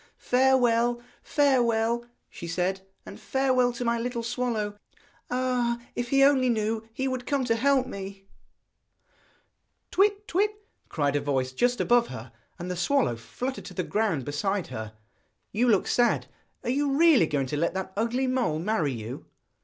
'Farewell, farewell,' she said 'and farewell to my little swallow. Ah! if he only knew, he would come to help me.' [Illustration: HE HELPED HER TO JUMP FROM THE SWALLOW'S BACK] 'Twit! twit,' cried a voice just above her; and the swallow fluttered to the ground beside her. 'You look sad; are you really going to let that ugly mole marry you?'